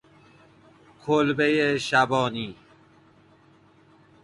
کلبه شبانی